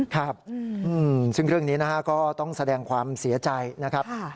ครับซึ่งเรื่องนี้นะฮะก็ต้องแสดงความเสียใจนะครับ